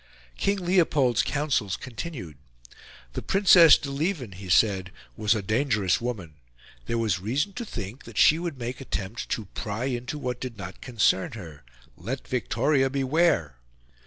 King Leopold's counsels continued. The Princess de Lieven, he said, was a dangerous woman; there was reason to think that she would make attempts to pry into what did not concern her, let Victoria beware.